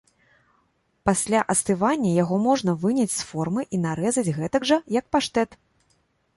Пасля астывання яго можна выняць з формы і нарэзаць гэтак жа, як паштэт.